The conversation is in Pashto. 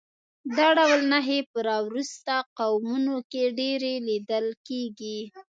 دا ډول نښې په راوروسته قومونو کې ډېرې لیدل کېږي